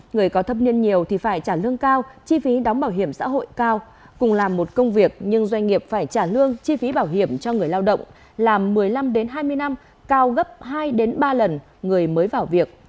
người có thấp nhiên nhiều thì phải trả lương cao chi phí đóng bảo hiểm xã hội cao cùng làm một công việc nhưng doanh nghiệp phải trả lương chi phí bảo hiểm cho người lao động là một mươi năm hai mươi năm cao gấp hai ba lần người mới vào việc